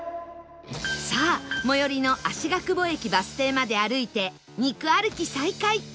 さあ最寄りの芦ヶ久保駅バス停まで歩いて肉歩き再開